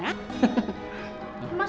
emang itu majikan ki